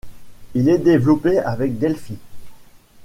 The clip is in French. Il est développé avec Delphi.